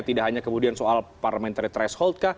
tidak hanya kemudian soal parliamentary threshold kah